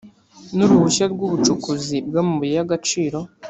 n uruhushya rw ubucukuzi bw amabuye y agaciro